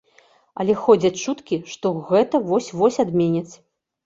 Але ходзяць чуткі, што гэта вось-вось адменяць.